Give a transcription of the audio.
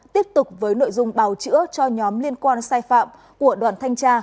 tiếp tục với nội dung bào chữa cho nhóm liên quan sai phạm của đoàn thanh tra